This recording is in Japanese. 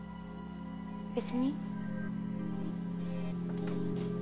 別に。